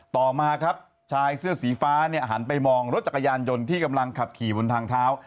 ต่อมาครับชายเสื้อสีฟ้าเนี่ยหันไปมองรถจักรยานยนต์ที่กำลังขับขี่บนทางเท้า